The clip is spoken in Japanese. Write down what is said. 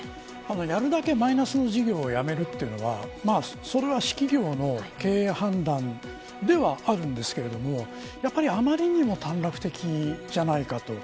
やるだけマイナスの事業を辞めるというのはそれは私企業の経営判断ではあると思うんですけどあまりにも短絡的じゃないかと。